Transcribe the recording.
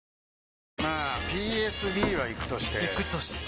まあＰＳＢはイクとしてイクとして？